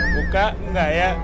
buka nggak ya